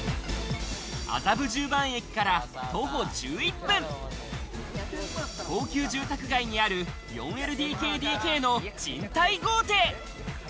麻布十番駅から徒歩１１分、高級住宅街にある４ＬＤＫＤＫの賃貸豪邸。